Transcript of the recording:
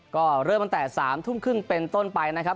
ก็เริ่มตั้งแต่๓ทุ่มครึ่งเป็นต้นไปนะครับ